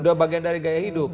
udah bagian dari gaya hidup